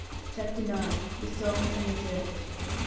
CHAPTER IX. THE SONG AND THE DIRGE.